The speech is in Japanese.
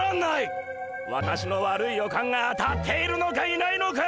私の悪い予感が当たっているのかいないのか。